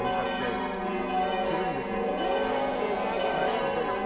振りたいです。